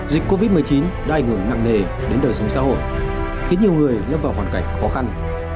dịch covid một mươi chín đã ảnh hưởng nặng nề đến đời sống xã hội khiến nhiều người lâm vào hoàn cảnh khó khăn